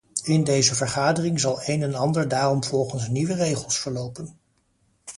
In deze vergadering zal een en ander daarom volgens nieuwe regels verlopen.